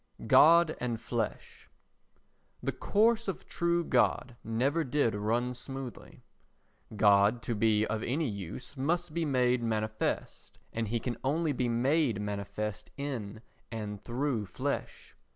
God and Flesh The course of true God never did run smooth. God to be of any use must be made manifest, and he can only be made manifest in and through flesh.